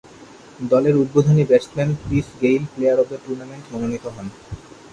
দলের উদ্বোধনী batsman Chris Gayle player of the tournament মনোনীত হন।